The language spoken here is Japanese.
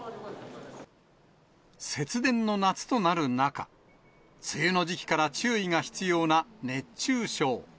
節電の夏となる中、梅雨の時期から注意が必要な熱中症。